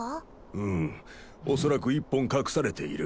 うん恐らく１本隠されている。